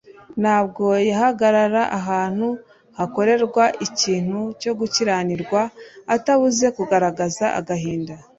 "ntabwo yahagararaga ahantu hakorerwa ikintu cyo gukiranirwa atabuze kugaragaza agahinda.